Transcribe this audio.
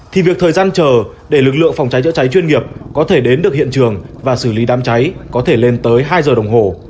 thì việc thời gian chờ để lực lượng phòng cháy chữa cháy chuyên nghiệp có thể đến được hiện trường và xử lý đám cháy có thể lên tới hai giờ đồng hồ